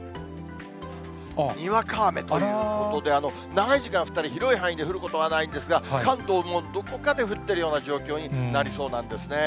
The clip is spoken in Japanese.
にわか雨ということで、長い時間降ったり、広い範囲で降ることはないんですが、関東もどこかで降ってるような状況になりそうなんですね。